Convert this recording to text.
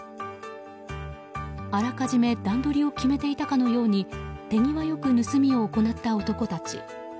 あらかじめ段取りを決めていたかのように手際良く盗みを行った男たち。